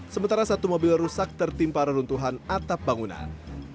sementara satu mobil rusak tertimpa reruntuhan atap bangunan